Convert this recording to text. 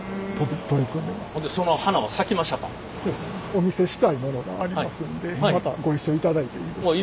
お見せしたいものがありますんでまたご一緒いただいていいですか？